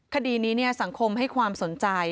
คดีนี้สังคมให้ความสนใจ